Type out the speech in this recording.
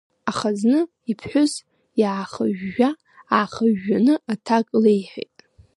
Аха зны иԥҳәыс иаахыжәжәа-аахыжәжәаны аҭак леиҳәеит…